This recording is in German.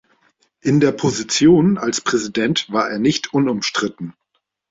In der Position als Präsident war er nicht unumstritten.